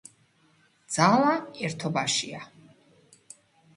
ძალა ერთობაშია!